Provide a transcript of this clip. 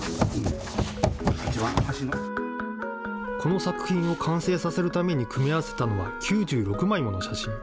この作品を完成させるために組み合わせたのは、９６枚もの写真。